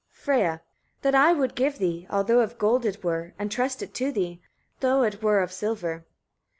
Freyia. 4. "That I would give thee, although of gold it were, and trust it to thee, though it were of silver."